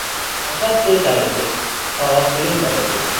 به اشد درجه، تا آخرین درجه